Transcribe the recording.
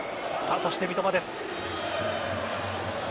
そして三笘です。